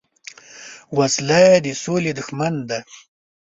وسله د سولې دښمن ده